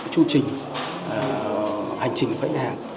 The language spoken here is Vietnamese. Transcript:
chương trình hành trình của ngân hàng